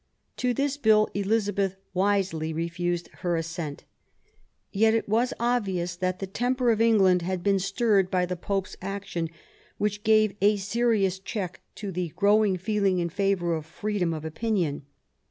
To this Bill Elizabeth wisely refused her assent. Yet it was obvious that the temper of England had been stirred by the Pope's action, which gave a serious check to the growing feeling in favour of freedom of opinion.